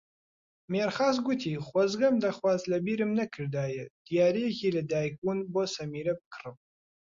مێرخاس گوتی خۆزگەم دەخواست لەبیرم نەکردایە دیارییەکی لەدایکبوون بۆ سەمیرە بکڕم.